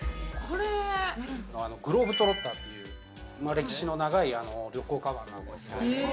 グローブ・トロッターっていう歴史の長い旅行かばんなんですけど。